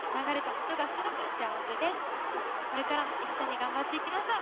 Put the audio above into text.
これからも一緒に頑張っていきましょう。